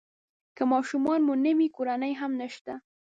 که ماشومان مو نه وي کورنۍ هم نشته.